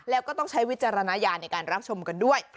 แล้วก็ต้องใช้วิจารณญาณในการรับชมกันด้วย